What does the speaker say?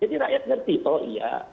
rakyat ngerti oh iya